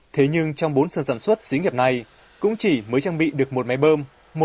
thế nhưng trong bốn sân sản xuất sĩ nghiệp này cũng chỉ mới trang bị được một máy bơm